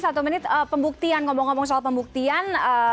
satu menit pembuktian ngomong ngomong soal pembuktian